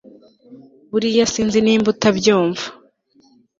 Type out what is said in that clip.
buriya sinzi nimba utabyumvaga